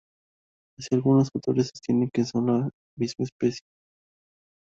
Aun así algunos autores sostienen que son la misma especie.